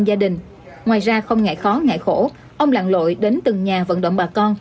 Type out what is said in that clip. gia đình ngoài ra không ngại khó ngại khổ ông lặn lội đến từng nhà vận động bà con